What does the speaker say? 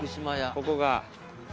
ここが。